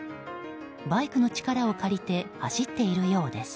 バイクの力を借りて走っているようです。